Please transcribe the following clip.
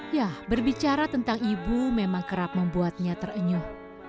ya berbicara tentang ibu memang kerap membuatnya terenyuh